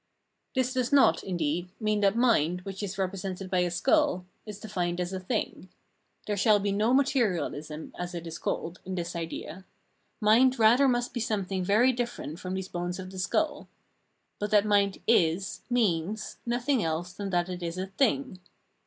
This does not, indeed, mean that mind, which is represented by a skull, is defined as a thing. There shall be no materiahsm, as it is called, in this idea ; mind rather must be something very different from these bones of the skull. But that mind is, means nothing else than that it is a thing.